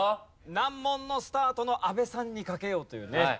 難問のスタートの阿部さんに賭けようというね。